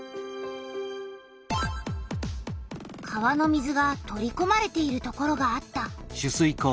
川の水が取りこまれているところがあった。